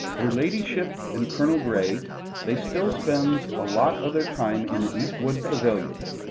"'Er ladyship and Colonel Grey, they still spends a lot of their time in the East wood pavilion.